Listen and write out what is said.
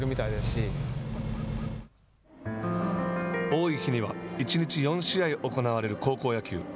多い日には、１日４試合行われる高校野球。